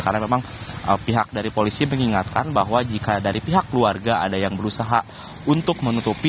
karena memang pihak dari polisi mengingatkan bahwa jika dari pihak keluarga ada yang berusaha untuk menutupi